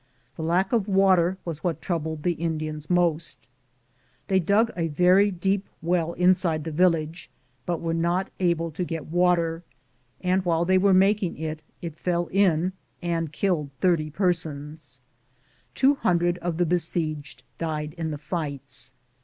The lack of water was what troubled the T^diana most. They dug a very deep well inside the village, but were am Google THE JOtTRNEY OP COBONADO not able to get water, and while they were making it, it fell in and killed 30 persona. Two hundred of the besieged died in the fights.